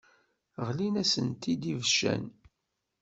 Ɣlin-asent-id ibeccan.